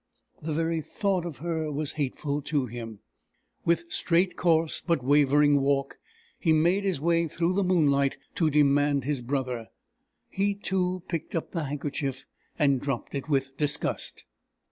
The very thought of her was hateful to him. With straight course, but wavering walk, he made his way through the moonlight to demand his brother. He too picked up the handkerchief, and dropped it with disgust.